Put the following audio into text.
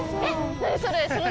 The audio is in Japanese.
何それ。